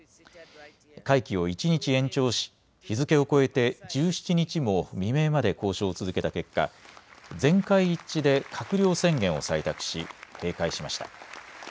会期を一日延長し日付を越えて１７日も未明まで交渉を続けた結果、全会一致で閣僚宣言を採択し閉会しました。